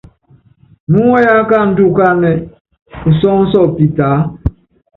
Muúŋayú akáandú ukáánɛ usɔ́ɔ́nsɔ pitaá.